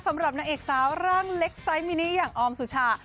สำหรับนางเอกสาวร่างเล็กไซส์มินิอย่างออมสุชา